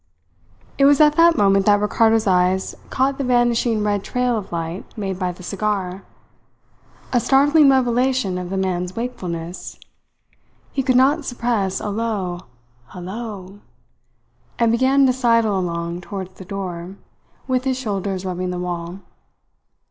It was at that moment that Ricardo's eyes caught the vanishing red trail of light made by the cigar a startling revelation of the man's wakefulness. He could not suppress a low "Hallo!" and began to sidle along towards the door, with his shoulders rubbing the wall.